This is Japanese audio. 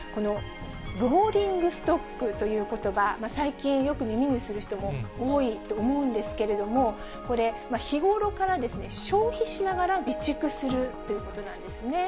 ローリングストックということば、最近よく耳にする人も多いと思うんですけれども、これ、日頃から消費しながら備蓄するということなんですね。